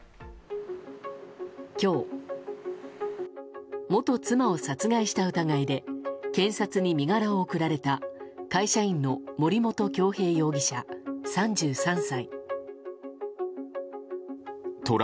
今日、元妻を殺害した疑いで検察に身柄を送られた会社員の森本恭平容疑者、３３歳。